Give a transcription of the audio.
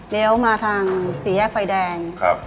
เดี๋ยวมาทางสี่แยกไฟแดง